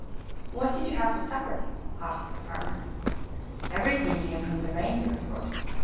"What did you have for supper?" asked the farmer. "Everything came from the reindeer, of course.